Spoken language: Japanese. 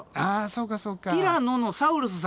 そうかそうか。